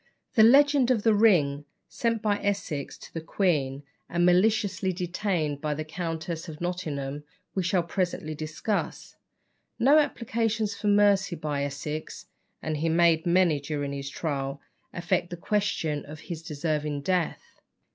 The legend of the ring sent by Essex to the queen, and maliciously detained by the Countess of Nottingham, we shall presently discuss. No applications for mercy by Essex (and he made many during his trial) affect the question of his deserving death.